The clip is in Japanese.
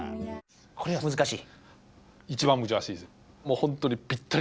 これは難しい？